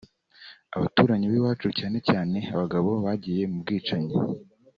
Abaturanyi b’iwacu cyane cyane abagabo bagiye mu bwicanyi